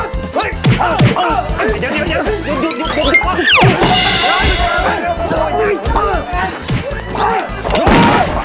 อ่ะอย่าอย่าอย่า